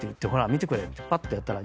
見てくれってぱってやったら。